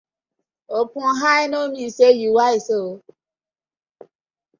Open eye no mean say yu wise ooo.